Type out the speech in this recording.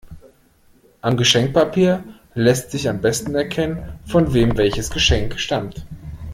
Am Geschenkpapier lässt sich am besten erkennen, von wem welches Geschenk stammt.